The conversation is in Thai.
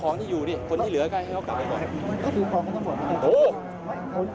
ก็คอยเขากลับไปก่อนดี